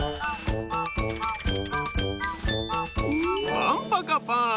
パンパカパーン！